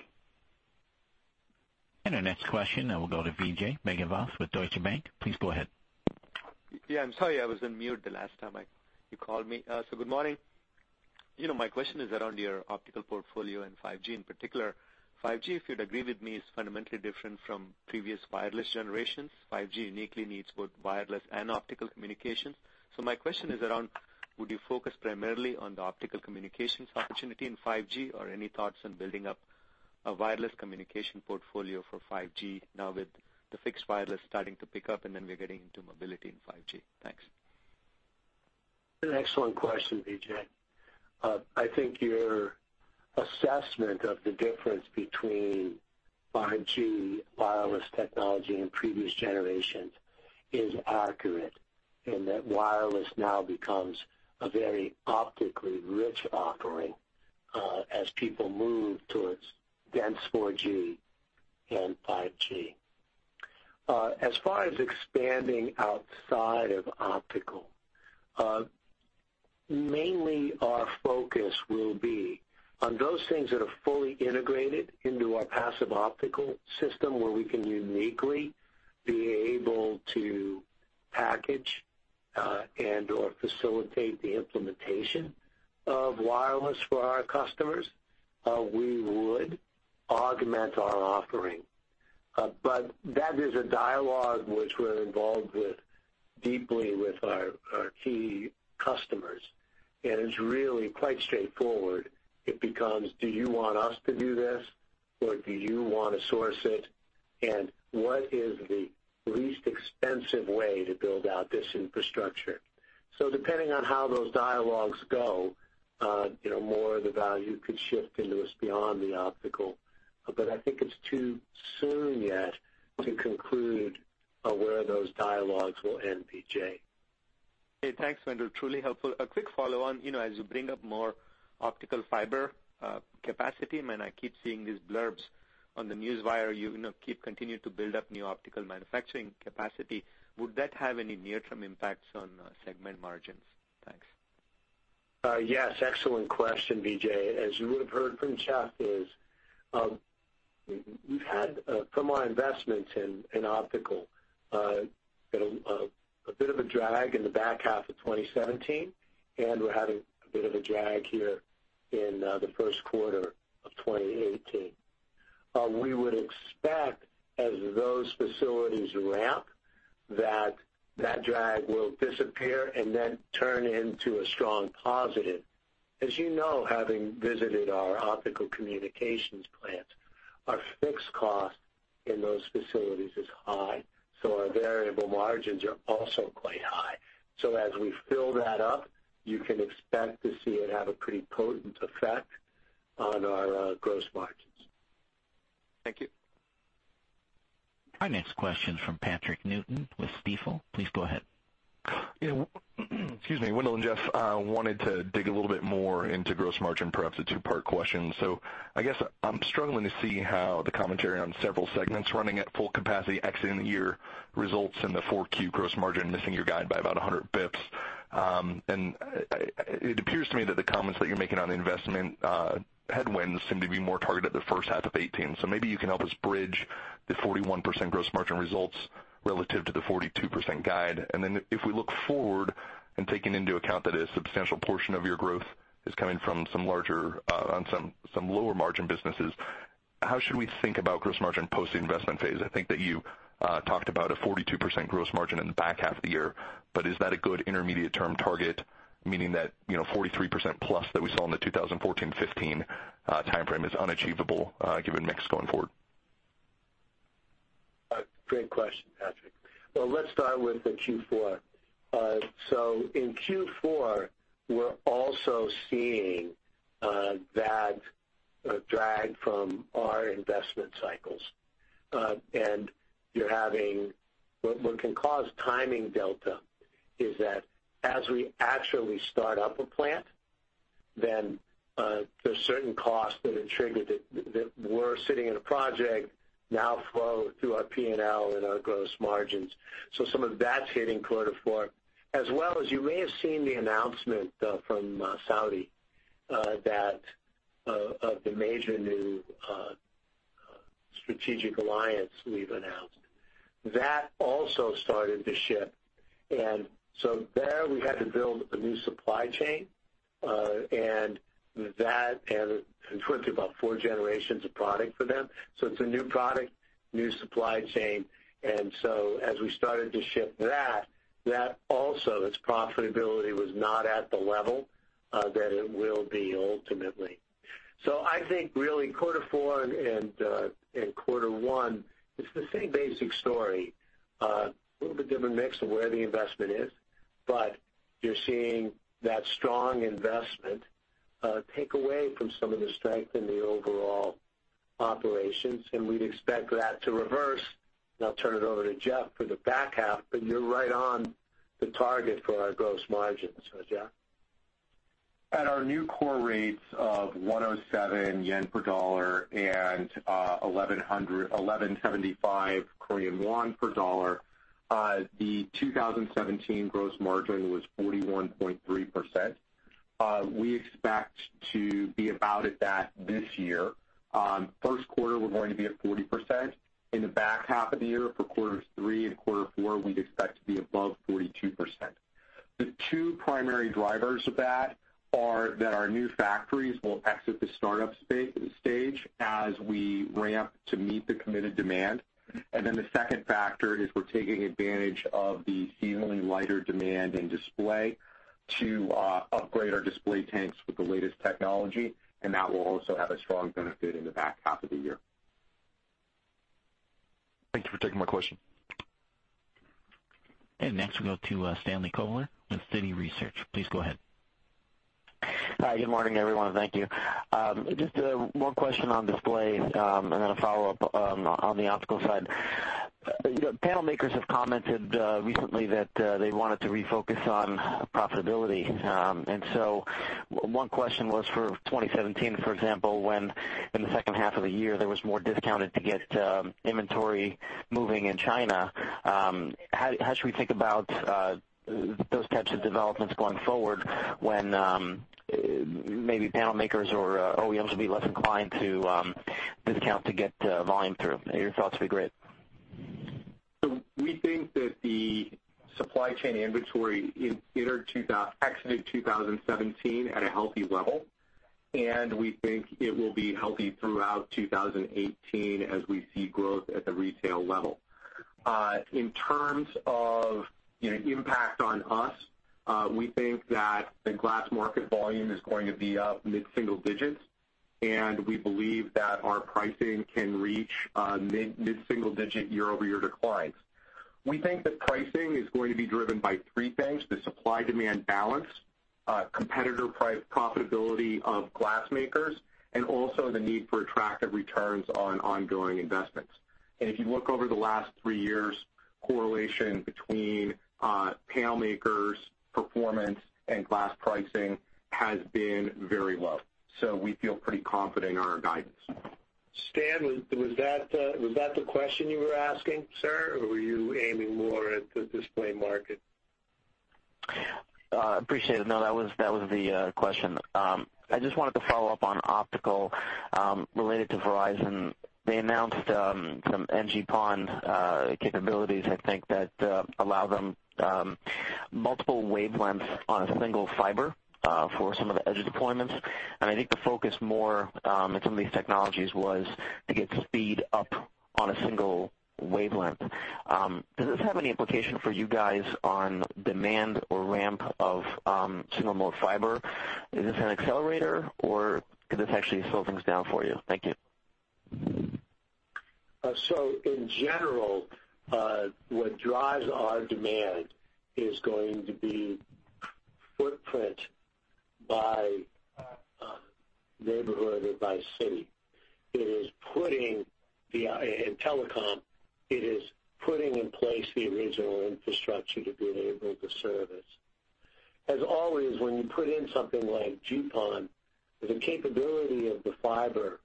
Our next question will go to Vijay Bhagavath with Deutsche Bank. Please go ahead. I'm sorry, I was on mute the last time you called me. Good morning. My question is around your optical portfolio and 5G in particular. 5G, if you'd agree with me, is fundamentally different from previous wireless generations. 5G uniquely needs both wireless and optical communications. My question is around, would you focus primarily on the optical communications opportunity in 5G, or any thoughts on building up a wireless communication portfolio for 5G now with the fixed wireless starting to pick up and then we're getting into mobility in 5G? Thanks. An excellent question, Vijay. I think your assessment of the difference between 5G wireless technology and previous generations is accurate in that wireless now becomes a very optically rich offering as people move towards dense 4G and 5G. As far as expanding outside of optical, mainly our focus will be on those things that are fully integrated into our passive optical system, where we can uniquely be able to package and/or facilitate the implementation of wireless for our customers, we would augment our offering. That is a dialogue which we're involved with deeply with our key customers, and it's really quite straightforward. It becomes, do you want us to do this, or do you want to source it? What is the least expensive way to build out this infrastructure? Depending on how those dialogues go, more of the value could shift into us beyond the optical. I think it's too soon yet to conclude where those dialogues will end, Vijay. Hey, thanks, Wendell. Truly helpful. A quick follow-on. As you bring up more optical fiber capacity, man, I keep seeing these blurbs on the newswire, you keep continuing to build up new optical manufacturing capacity. Would that have any near-term impacts on segment margins? Thanks. Yes. Excellent question, Vijay. As you would have heard from Jeff, we've had from our investments in Optical Communications, a bit of a drag in the back half of 2017, and we're having a bit of a drag here in the first quarter of 2018. We would expect as those facilities ramp, that drag will disappear and then turn into a strong positive. As you know, having visited our Optical Communications plants, our fixed cost in those facilities is high, so our variable margins are also quite high. As we fill that up, you can expect to see it have a pretty potent effect on our gross margins. Thank you. Our next question's from Patrick Newton with Stifel. Please go ahead. Excuse me, Wendell and Jeff, I wanted to dig a little bit more into gross margin, perhaps a two-part question. I guess I'm struggling to see how the commentary on several segments running at full capacity exiting the year results in the 4Q gross margin missing your guide by about 100 basis points. It appears to me that the comments that you're making on investment headwinds seem to be more targeted at the first half of 2018. Maybe you can help us bridge the 41% gross margin results relative to the 42% guide. Then if we look forward and taking into account that a substantial portion of your growth is coming from some larger on some lower margin businesses, how should we think about gross margin post-investment phase? I think that you talked about a 42% gross margin in the back half of the year, but is that a good intermediate-term target, meaning that 43% plus that we saw in the 2014-2015 timeframe is unachievable given mix going forward? Great question, Patrick. Well, let's start with the Q4. In Q4, we're also seeing that drag from our investment cycles. What can cause timing delta is that as we actually start up a plant, then there's certain costs that are triggered that were sitting in a project now flow through our P&L and our gross margins. Some of that's hitting quarter four, as well as you may have seen the announcement from Saudi of the major new strategic alliance we've announced. That also started to ship, there we had to build a new supply chain, we went through about 4 generations of product for them. It's a new product, new supply chain, as we started to ship that also, its profitability was not at the level that it will be ultimately. I think really quarter four and quarter one, it's the same basic story. A little bit different mix of where the investment is, but you're seeing that strong investment take away from some of the strength in the overall operations, and we'd expect that to reverse. I'll turn it over to Jeff for the back half, but you're right on the target for our gross margins. Jeff? At our new core rates of 107 yen per USD and 1,175 KRW per USD, the 2017 gross margin was 41.3%. We expect to be about at that this year. First quarter, we're going to be at 40%. In the back half of the year for quarters three and quarter four, we'd expect to be above 42%. The two primary drivers of that are that our new factories will exit the startup stage as we ramp to meet the committed demand. The second factor is we're taking advantage of the seasonally lighter demand in display to upgrade our display tanks with the latest technology, and that will also have a strong benefit in the back half of the year. Thank you for taking my question. Next we go to Stanley Kovler with Citi Research. Please go ahead. Hi, good morning, everyone. Thank you. Just one question on display, and then a follow-up on the optical side. Panel makers have commented recently that they wanted to refocus on profitability. One question was for 2017, for example, when in the second half of the year, there was more discounted to get inventory moving in China. How should we think about those types of developments going forward when maybe panel makers or OEMs will be less inclined to discount to get volume through? Your thoughts would be great. We think that the supply chain inventory exited 2017 at a healthy level, and we think it will be healthy throughout 2018 as we see growth at the retail level. In terms of impact on us, we think that the glass market volume is going to be up mid-single digits, and we believe that our pricing can reach mid-single digit year-over-year declines. We think that pricing is going to be driven by three things: the supply-demand balance, competitor profitability of glass makers, and also the need for attractive returns on ongoing investments. If you look over the last three years, correlation between panel makers' performance and glass pricing has been very low. We feel pretty confident in our guidance. Stan, was that the question you were asking, sir, or were you aiming more at the display market? Appreciate it. No, that was the question. I just wanted to follow up on optical, related to Verizon. They announced some NG-PON capabilities, I think, that allow them multiple wavelengths on a single fiber for some of the edge deployments. I think the focus more on some of these technologies was to get speed up on a single wavelength. Does this have any implication for you guys on demand or ramp of single-mode fiber? Is this an accelerator or could this actually slow things down for you? Thank you. In general, what drives our demand is going to be footprint by neighborhood or by city. In telecom, it is putting in place the original infrastructure to be able to service. As always, when you put in something like GPON, the capability of the fiber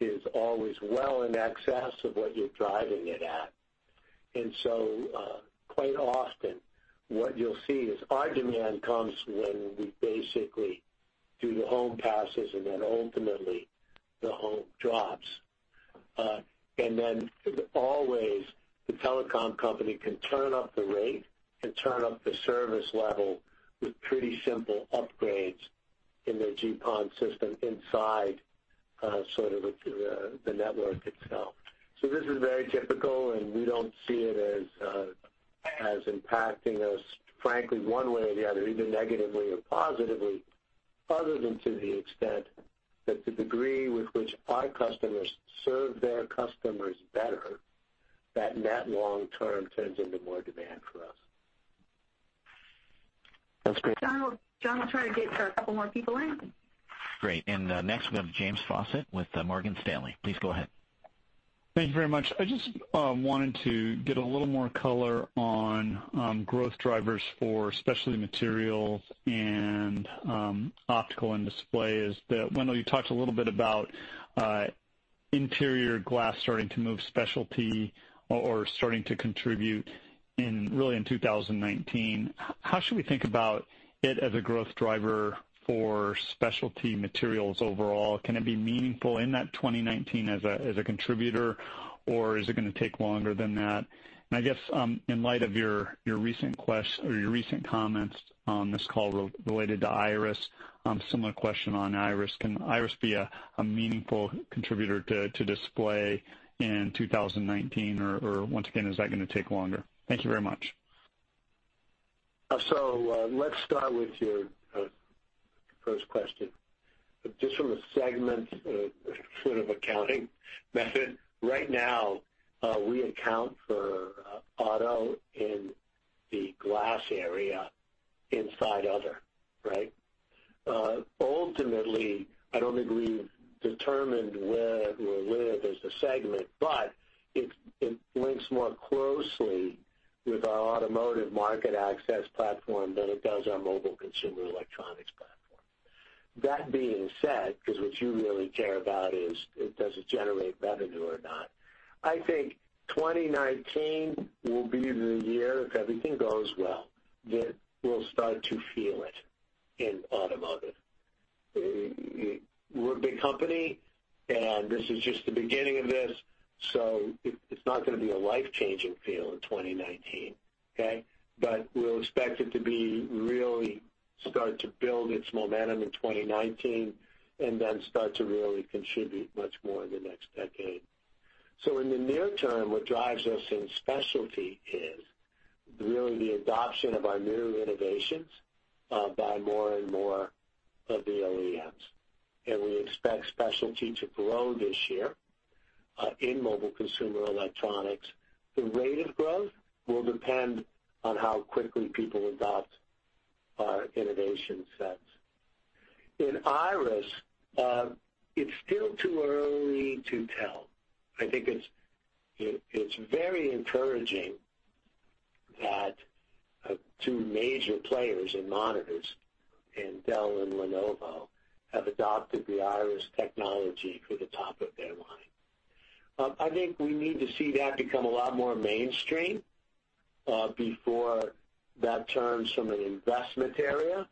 is always well in excess of what you're driving it at. Quite often what you'll see is our demand comes when we basically do the home passes and then ultimately the home drops. Then always the telecom company can turn up the rate and turn up the service level with pretty simple upgrades in their GPON system inside the network itself. This is very typical, and we don't see it as impacting us, frankly, one way or the other, either negatively or positively, other than to the extent that the degree with which our customers serve their customers better, that net long term turns into more demand for us. That's great. John, we'll try to get a couple more people in. Great. Next we have James Faucette with Morgan Stanley. Please go ahead. Thank you very much. I just wanted to get a little more color on growth drivers for Specialty Materials and Optical and Display. Wendell, you talked a little bit about interior glass starting to move specialty or starting to contribute really in 2019. How should we think about it as a growth driver for Specialty Materials overall? Can it be meaningful in that 2019 as a contributor, or is it gonna take longer than that? I guess in light of your recent comments on this call related to Iris, similar question on Iris. Can Iris be a meaningful contributor to Display in 2019, or once again, is that gonna take longer? Thank you very much. Let's start with your first question. Just from a segment sort of accounting method, right now we account for auto in the glass area inside other. Ultimately, I don't think we've determined where it will live as a segment, but it links more closely with our automotive market access platform than it does our mobile consumer electronics platform. That being said, because what you really care about is, does it generate revenue or not? I think 2019 will be the year, if everything goes well, that we'll start to feel it in automotive. We're a big company, and this is just the beginning of this, so it's not going to be a life-changing feel in 2019, okay? We'll expect it to really start to build its momentum in 2019 and then start to really contribute much more in the next decade. In the near term, what drives us in Specialty is really the adoption of our newer innovations by more and more of the OEMs. We expect Specialty to grow this year in mobile consumer electronics. The rate of growth will depend on how quickly people adopt our innovation sets. In Iris, it's still too early to tell. I think it's very encouraging that two major players in monitors in Dell and Lenovo have adopted the Iris technology for the top of their line. I think we need to see that become a lot more mainstream before that turns from an investment area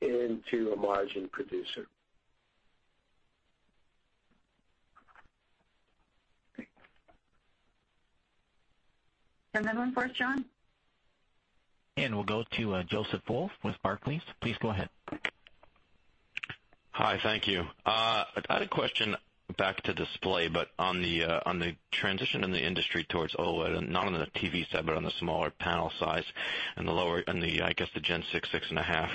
into a margin producer. Another one for us, John? We'll go to Joseph Wolf with Barclays. Please go ahead. Hi, thank you. I had a question back to Display Technologies, on the transition in the industry towards OLED, not on the TV set, but on the smaller panel size and the lower, I guess, the Gen 6.5.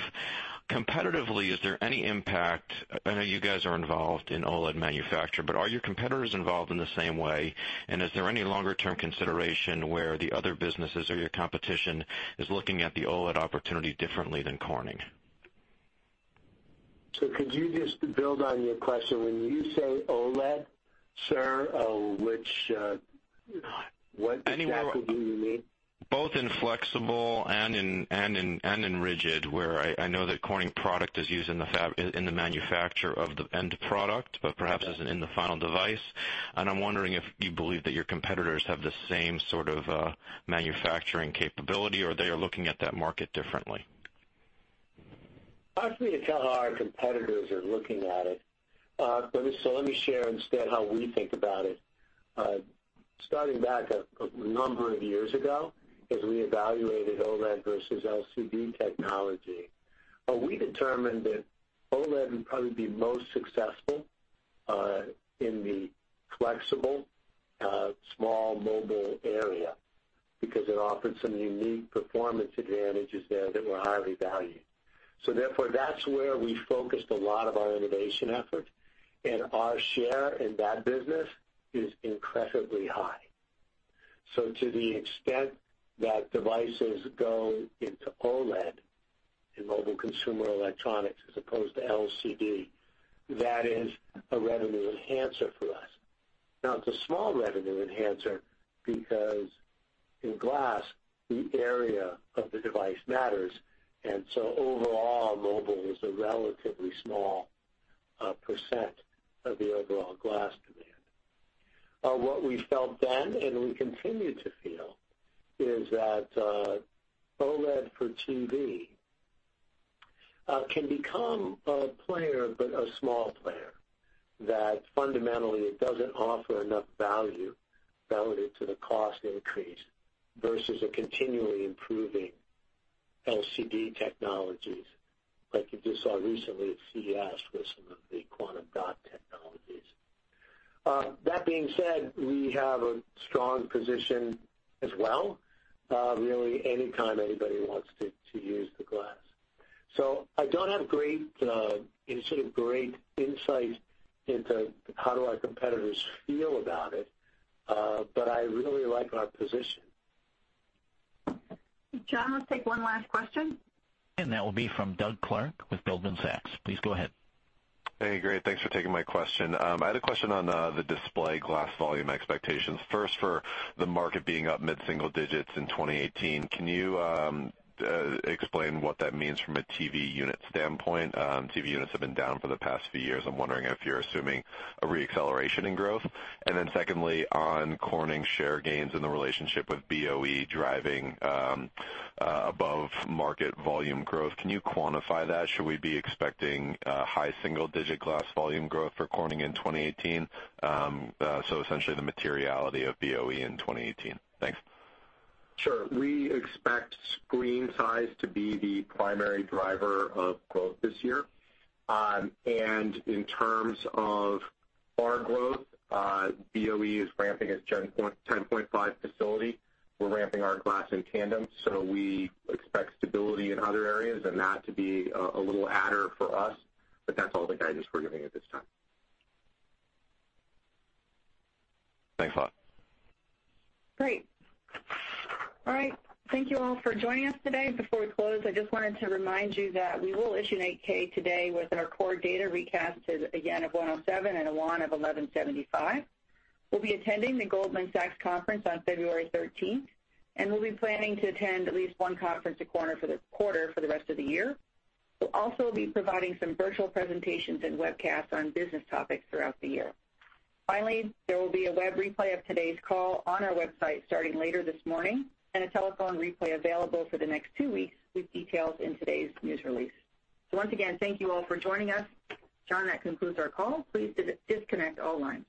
Competitively, is there any impact? I know you guys are involved in OLED manufacture, but are your competitors involved in the same way? Is there any longer-term consideration where the other businesses or your competition is looking at the OLED opportunity differently than Corning? Could you just build on your question, when you say OLED, sir, what exactly do you mean? Both in flexible and in rigid, where I know that Corning product is used in the manufacture of the end product, but perhaps isn't in the final device. I'm wondering if you believe that your competitors have the same sort of manufacturing capability, or they are looking at that market differently. Hard for me to tell how our competitors are looking at it. Let me share instead how we think about it. Starting back a number of years ago, as we evaluated OLED versus LCD technology, we determined that OLED would probably be most successful in the flexible small mobile area because it offered some unique performance advantages there that were highly valued. Therefore, that's where we focused a lot of our innovation efforts, and our share in that business is incredibly high. To the extent that devices go into OLED, in mobile consumer electronics, as opposed to LCD, that is a revenue enhancer for us. Now, it's a small revenue enhancer because in glass, the area of the device matters, and so overall, mobile is a relatively small % of the overall glass demand. What we felt then, and we continue to feel, is that OLED for TV can become a player, but a small player. Fundamentally it doesn't offer enough value relative to the cost increase versus a continually improving LCD technologies like you just saw recently at CES with some of the quantum dot technologies. That being said, we have a strong position as well, really any time anybody wants to use the glass. I don't have any sort of great insight into how do our competitors feel about it, but I really like our position. John, let's take one last question. That will be from Doug Clark with Goldman Sachs. Please go ahead. Hey, great, thanks for taking my question. I had a question on the Display Technologies glass volume expectations. First, for the market being up mid-single digits in 2018, can you explain what that means from a TV unit standpoint? TV units have been down for the past few years. I'm wondering if you're assuming a re-acceleration in growth. Then secondly, on Corning share gains in the relationship with BOE driving above-market volume growth, can you quantify that? Should we be expecting high single-digit glass volume growth for Corning in 2018? Essentially the materiality of BOE in 2018. Thanks. Sure. We expect screen size to be the primary driver of growth this year. In terms of our growth, BOE is ramping its Gen 10.5 facility. We're ramping our glass in tandem, we expect stability in other areas and that to be a little adder for us. That's all the guidance we're giving at this time. Thanks a lot. Great. All right. Thank you all for joining us today. Before we close, I just wanted to remind you that we will issue an 8-K today with our core data recasted again of 107 and a KRW 1,175. We'll be attending the Goldman Sachs conference on February 13th, and we'll be planning to attend at least one conference a quarter for the rest of the year. We'll also be providing some virtual presentations and webcasts on business topics throughout the year. Finally, there will be a web replay of today's call on our website starting later this morning, and a telephone replay available for the next two weeks with details in today's news release. Once again, thank you all for joining us. John, that concludes our call. Please disconnect all lines.